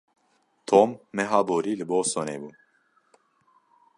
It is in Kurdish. Tom meha borî li Bostonê bû.